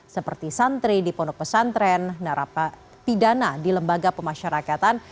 seperti santri di pondok pesantren narapidana di lembaga pemasyarakatan